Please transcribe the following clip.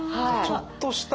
ちょっとした